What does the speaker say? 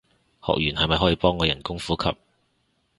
學完係咪可以幫我人工呼吸